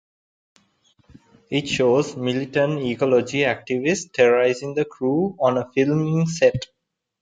It shows militant ecologic activists terrorizing the crew on a filming set.